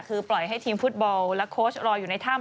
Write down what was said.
คือปล่อยให้ทีมฟุตบอลและโค้ชรออยู่ในถ้ำ